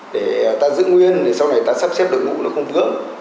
để ta giữ nguyên thì sau này ta sắp xếp đội ngũ nó không vướng